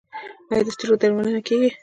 آیا د سترګو درملنه کیږي؟